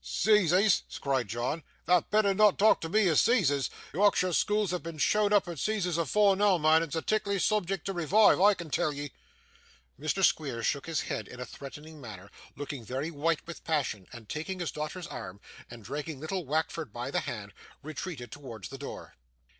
''Soizes,' cried John, 'thou'd betther not talk to me o' 'Soizes. Yorkshire schools have been shown up at 'Soizes afore noo, mun, and it's a ticklish soobjact to revive, I can tell ye.' Mr. Squeers shook his head in a threatening manner, looking very white with passion; and taking his daughter's arm, and dragging little Wackford by the hand, retreated towards the door.